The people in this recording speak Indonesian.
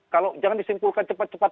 kalau jangan disimpulkan cepat cepat